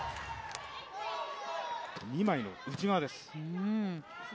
二枚の内側です。